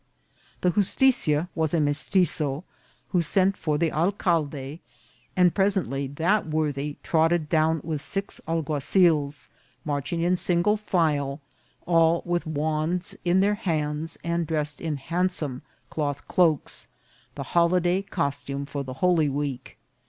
The justitia was a Mestitzo, who sent for VIRTUE OF A PASSPORT. 199 the alcalde, and presently that worthy trotted down with six alguazils, marching in single file, all with wands in their hands, and dressed in handsome cloth cloaks, the holyday costume for the Holy Week.